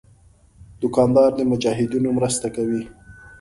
دوکاندار د مجاهدینو مرسته کوي.